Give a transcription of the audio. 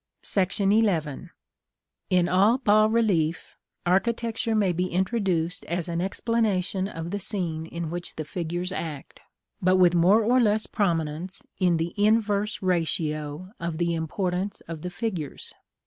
§ XI. In all bas relief, architecture may be introduced as an explanation of the scene in which the figures act; but with more or less prominence in the inverse ratio of the importance of the figures.